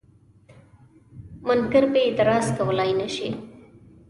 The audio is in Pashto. منکر پرې اعتراض کولای نشي.